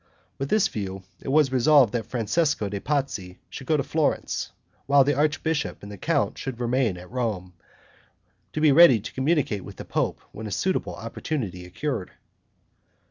With this view, it was resolved that Francesco de' Pazzi should go to Florence, while the archbishop and the count were to remain at Rome, to be ready to communicate with the pope when a suitable opportunity occurred.